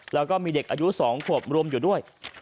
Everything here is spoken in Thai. แล้วก็มีเด็กอายุ๒ขวบรวมอยู่ด้วย